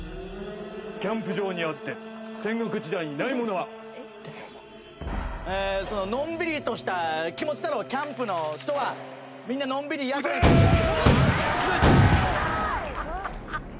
キャンプ場にあって、戦国時えー、そののんびりとした気持ちだろう、キャンプの人は、みんなのんびり撃てー！